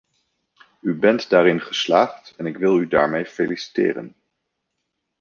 U bent daarin geslaagd en ik wil u daarmee feliciteren.